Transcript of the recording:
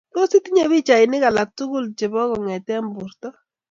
Tos, itinye pikchainik alaf tugul chebo kongete borto